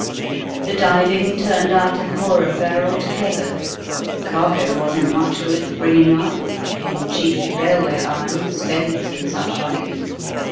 The diving turned out a poor affair altogether. The cargo wasn't much good for bringing up, bein' chiefly railway iron, spades, and such like.